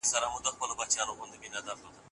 هم باتور د خپل اولس وي هم منظور د خپل اولس وي